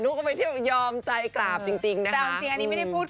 หนูก็ไปเที่ยวยอมใจกราบจริงจริงนะฮะเนี้ยอันนี้ไม่ได้พูด